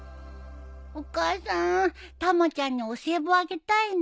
お母さんたまちゃんにお歳暮あげたいんだ。